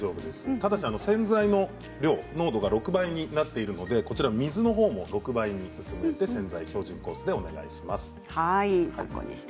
ただし洗剤の濃度が６倍になっているので水のほうも６倍に薄めて薄めて標準コースでお願いします。